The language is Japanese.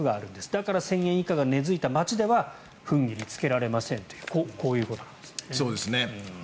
だから、１０００円以下が根付いた街では踏ん切りつけられませんというこういうことなんですね。